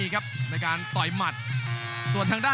กรุงฝาพัดจินด้า